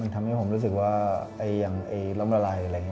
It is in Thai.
ทำให้ผมรู้สึกว่าอย่างล้มละลายอะไรอย่างนี้